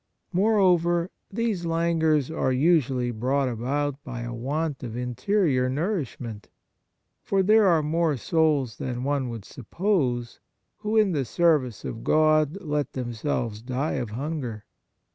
Moreover, these languors are usually brought about by a want of interior nourishment, for there are more souls than one would suppose who, in the service of God, let themselves die of hunger.